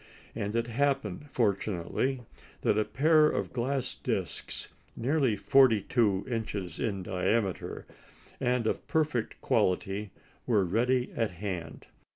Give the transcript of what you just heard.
And it happened, fortunately, that a pair of glass discs, nearly 42 inches in diameter, and of perfect quality, were ready at hand.